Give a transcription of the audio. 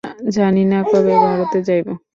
জানি না, কবে ভারতে যাইব।